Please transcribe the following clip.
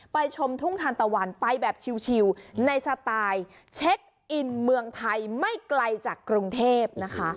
ชมทุ่งทานตะวันไปแบบชิลในสไตล์เช็คอินเมืองไทยไม่ไกลจากกรุงเทพนะคะ